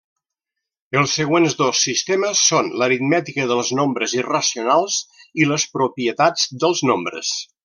Els següents dos sistemes són l'aritmètica dels nombres irracionals i les propietats dels nombres.